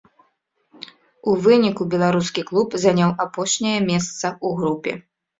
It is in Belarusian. У выніку беларускі клуб заняў апошняе месца ў групе.